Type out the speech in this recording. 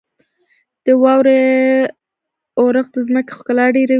• د واورې اورښت د ځمکې ښکلا ډېروي.